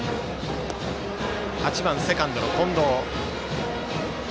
８番セカンドの近藤の打席。